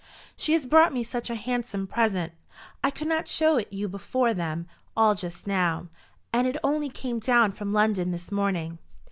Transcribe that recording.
"She has brought me such a handsome present. I could not show it you before them all just now, and it only came down from London this morning.